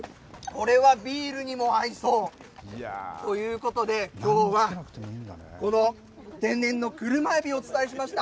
これはビールにも合いそう。ということで、きょうは、この天然の車えびをお伝えしました。